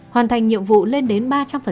hoàn thành nhiệm vụ lên đến ba trăm linh